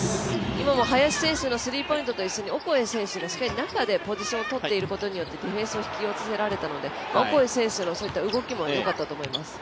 今も林選手のスリーポイント一緒にオコエ選手がしっかり中でポジションをとっていることによってディフェンスを引き寄せられたので、オコエ選手のそういった動きもよかったと思います。